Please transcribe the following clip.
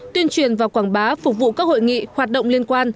tuyên truyền và quảng bá phục vụ các hội nghị hoạt động liên quan